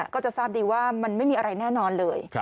ก็จะทราบดีว่ามันไม่มีอะไรแน่นอนเลย